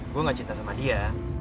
gue gak cinta sama dia